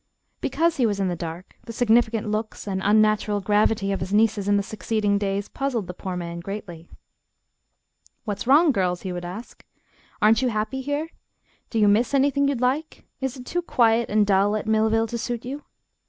Because he was in the dark the significant looks and unnatural gravity of his nieces in the succeeding days puzzled the poor man greatly. "What's wrong, girls?" he would ask. "Aren't you happy here? Do you miss anything you'd like? Is it too quiet and dull at Millville to suit you?"